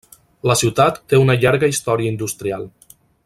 La ciutat té una llarga història industrial.